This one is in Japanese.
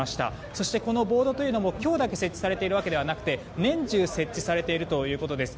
そして、このボードというのも今日だけ設置されているわけではなくて年中設置されているということです。